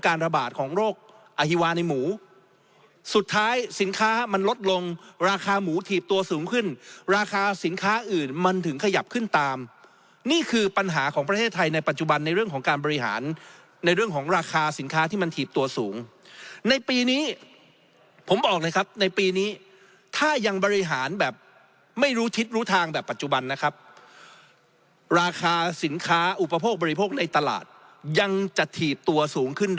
ระบาดของโรคอฮิวาในหมูสุดท้ายสินค้ามันลดลงราคาหมูถีบตัวสูงขึ้นราคาสินค้าอื่นมันถึงขยับขึ้นตามนี่คือปัญหาของประเทศไทยในปัจจุบันในเรื่องของการบริหารในเรื่องของราคาสินค้าที่มันถีบตัวสูงในปีนี้ผมบอกเลยครับในปีนี้ถ้ายังบริหารแบบไม่รู้ทิศรู้ทางแบบปัจจุบันนะครับราคาสินค้าอุปโภคบริโภคในตลาดยังจะถีบตัวสูงขึ้น